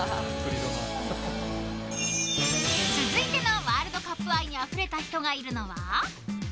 続いてのワールドカップ愛にあふれた人がいるのは。